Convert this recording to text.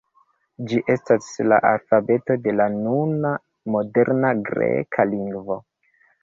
Ĝi estas la alfabeto de la nuna moderna greka lingvo.